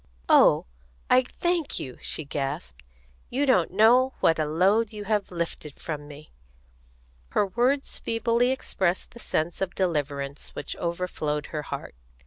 "Oh, I thank you!" she gasped. "You don't know what a load you have lifted from me!" Her words feebly expressed the sense of deliverance which overflowed her heart.